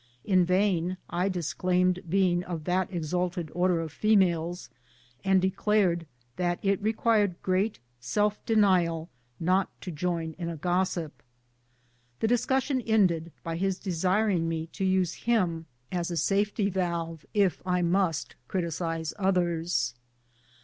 In vain I disclaimed being of that exalted order of females, and declared that it required great self denial not to join in a gossip. The discussion ended bj his desiring me to use him as a safety valve if I mvst criticise others.